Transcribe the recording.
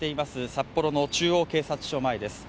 札幌の中央警察署前です。